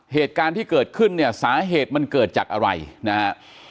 เหตุการณ์ที่เกิดขึ้นเนี่ยสาเหตุมันเกิดจากอะไรนะฮะ